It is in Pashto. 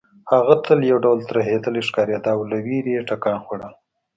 هغه تل یو ډول ترهېدلې ښکارېده او له وېرې یې ټکان خوړل